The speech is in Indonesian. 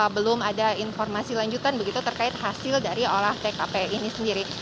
belum ada informasi lanjutan begitu terkait hasil dari olah tkp ini sendiri